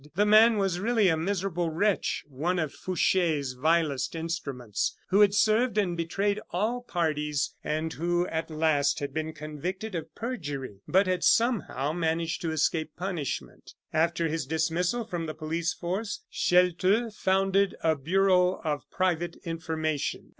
The man was really a miserable wretch, one of Fouche's vilest instruments, who had served and betrayed all parties, and who, at last, had been convicted of perjury, but had somehow managed to escape punishment. After his dismissal from the police force, Chelteux founded a bureau of private information.